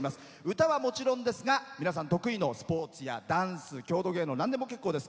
歌はもちろんですが皆さん得意のスポーツやダンス、郷土芸能なんでも結構です。